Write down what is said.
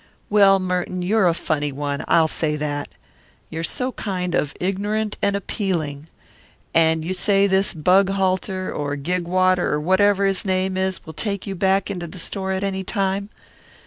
"Well, Merton, you're a funny one I'll say that. You're so kind of ignorant and appealing. And you say this Bughalter or Gigwater or whatever his name is will take you back into the store any time?